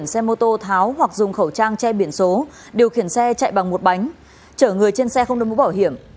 cô tháo hoặc dùng khẩu trang che biển số điều khiển xe chạy bằng một bánh chở người trên xe không đưa mũ bảo hiểm